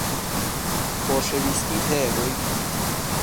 خۆشەویستیت هەیە بۆی